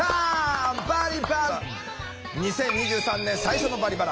２０２３年最初の「バリバラ」。